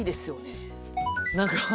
何か。